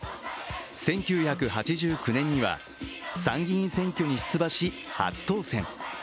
１９８９年には参議院選挙に出馬し初当選。